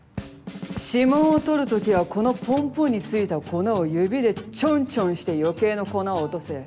指紋を採る時はこのポンポンについた粉を指でチョンチョンして余計な粉を落とせ。